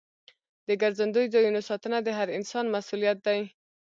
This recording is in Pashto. د ګرځندوی ځایونو ساتنه د هر انسان مسؤلیت دی.